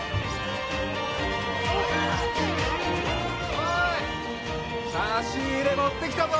おい差し入れ持ってきたぞ。